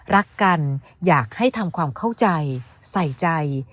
รักกันอยากให้ทำความเข้าใจใส่ใจ